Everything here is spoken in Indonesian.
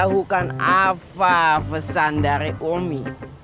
anak beritahukan apa pesan dari umi